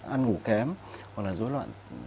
ăn ngủ kém hoặc là dối loạn